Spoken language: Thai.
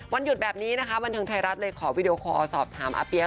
หยุดแบบนี้นะคะบันเทิงไทยรัฐเลยขอวิดีโอคอลสอบถามอาเปี๊ยก